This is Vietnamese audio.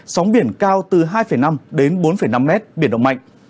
sóng biển cao từ hai năm đến bốn năm mét biển động mạnh